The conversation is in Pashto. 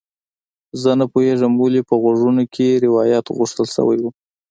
زه نه پوهیږم ولې په غوږونو کې روات غوښتل شوي وو